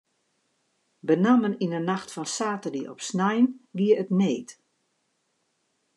Benammen yn de nacht fan saterdei op snein gie it need.